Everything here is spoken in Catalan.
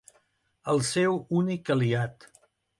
El seu únic aliat.